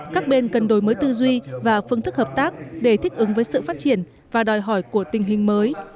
các bên cần đổi mới tư duy và phương thức hợp tác để thích ứng với sự phát triển và đòi hỏi của tình hình mới